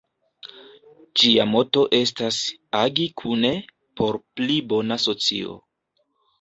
Ĝia moto estas "Agi kune por pli bona socio".